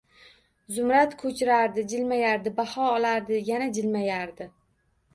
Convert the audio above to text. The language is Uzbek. Zumrad ko‘chirardi, jilmayardi, baho olardi, yana jilmayardi.